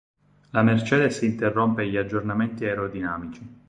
La Mercedes interrompe gli aggiornamenti aerodinamici.